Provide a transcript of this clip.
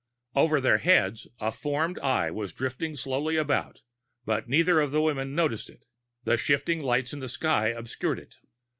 Over their heads, a formed Eye was drifting slowly about, but neither of the women noticed it. The shifting lights in the sky obscured it.